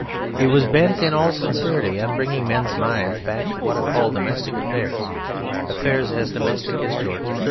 It was bent in all sincerity on bringing men's minds back to what are called domestic affairs, affairs as domestic as George III.